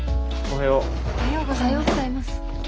おはようございます。